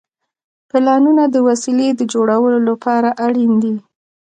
پلانونه د وسیلې د جوړولو لپاره اړین دي.